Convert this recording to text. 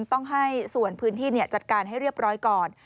ต้องให้ส่วนพื้นที่จัดการให้เรียบร้อยก่อน